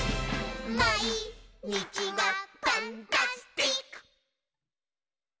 「まいにちがパンタスティック！」